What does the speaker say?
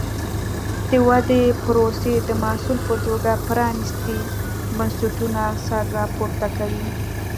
د ودې پروسې د محصول په توګه پرانیستي بنسټونه سر راپورته کوي.